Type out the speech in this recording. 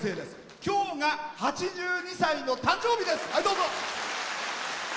今日が８２歳の誕生日です。